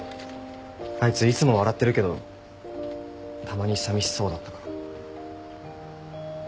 あいついつも笑ってるけどたまにさみしそうだったから。